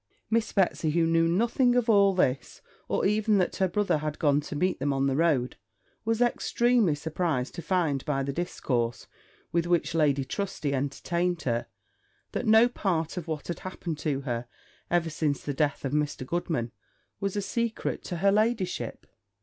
Miss Betsy, who knew nothing of all this, or even that her brother had gone to meet them on the road, was extremely surprized to find, by the discourse with which Lady Trusty entertained her, that no part of what had happened to her, ever since the death of Mr. Goodman, was a secret to her ladyship.